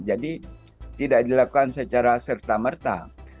jadi tidak dilakukan secara serta merta